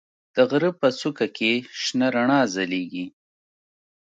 د غره په څوکه کې شنه رڼا ځلېږي.